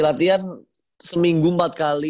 latihan seminggu empat kali